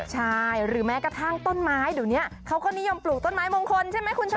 ใช่หรือแม้กระทั่งต้นไม้เดี๋ยวนี้เขาก็นิยมปลูกต้นไม้มงคลใช่ไหมคุณชนะ